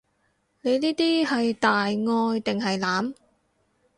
你呢啲係大愛定係濫？